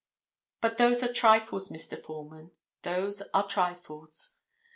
But those are trifles, Mr. Foreman. Those are trifles.